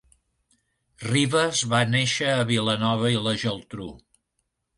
Rivas va néixer a Vilanova i la Geltrú.